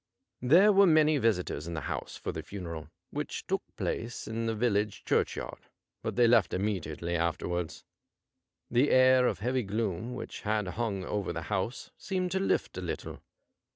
There were many visitors in the house for the funeral, which took place in the village churchyard, but they left immediately after wards. The air of heavy gloom which had hung over the house seemed to lift a little.